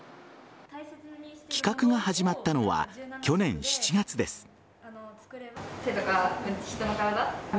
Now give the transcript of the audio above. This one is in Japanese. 企画が始まったのは去年７月です。